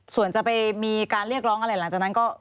ส่วนจะไปมีการเรียกร้องอะไรหลังจากนั้นก็